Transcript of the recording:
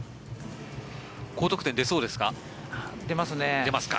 高得点、出そうですか？